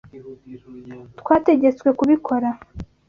Twategetswe kubikora.